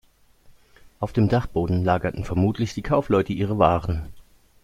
Auf dem Dachboden lagerten vermutlich die Kaufleute ihre Waren.